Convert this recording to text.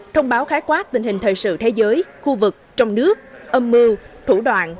thông báo khái quát tình hình thời sự thế giới khu vực trong nước âm mưu thủ đoạn